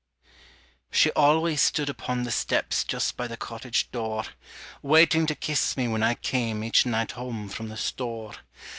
She always stood upon the steps Just by the cottage door, Waiting to kiss me when I came Each night home from the store.